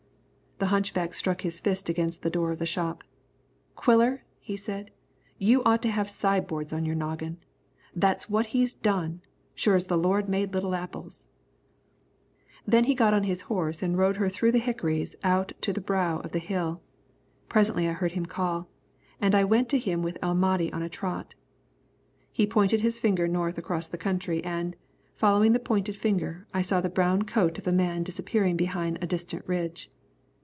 The hunchback struck his fist against the door of the shop. "Quiller," he said, "you ought to have sideboards on your noggin. That's what he's done, sure as the Lord made little apples!" Then he got on his horse and rode her through the hickories out to the brow of the hill. Presently I heard him call, and went to him with El Mahdi on a trot. He pointed his finger north across the country and, following the pointed finger, I saw the brown coat of a man disappearing behind a distant ridge.